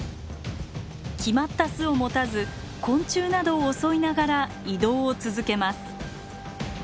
決まった巣を持たず昆虫などを襲いながら移動を続けます。